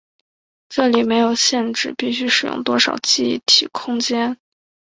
这里没有限制必须使用多少记忆体空间。